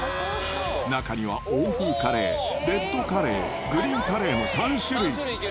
中には欧風カレー、レッドカレー、グリーンカレーの３種類。